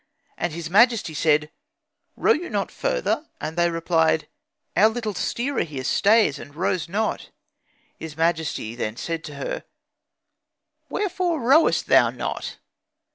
And his majesty said, 'Row you not further?' And they replied, 'Our little steerer here stays and rows not.' His majesty then said to her, 'Wherefore rowest thou not?'